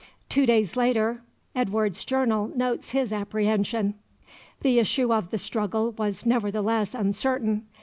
Two days later Edward's journal notes his apprehension. The issue of the struggle was nevertheless uncertain.